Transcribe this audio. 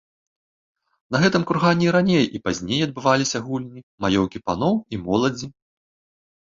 На гэтым кургане і раней і пазней адбываліся гульні, маёўкі паноў і моладзі.